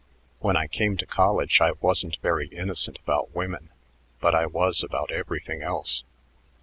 When I came to college I wasn't very innocent about women, but I was about everything else.